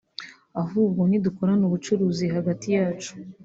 ahubwo nidukorana ubucuruzi hagati yacu